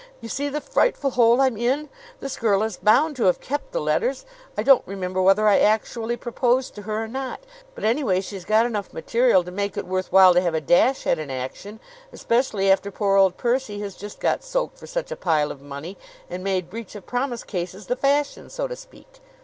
"You see the frightful hole I'm in? This girl is bound to have kept the letters. I don't remember whether I actually proposed to her or not; but anyway she's got enough material to make it worth while to have a dash at an action especially after poor old Percy has just got soaked for such a pile of money and made breach of promise cases the fashion, so to speak.